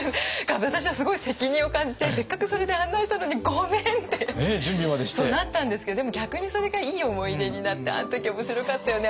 私はすごい責任を感じてせっかくそれで案内したのにごめんってなったんですけどでも逆にそれがいい思い出になってあの時面白かったよね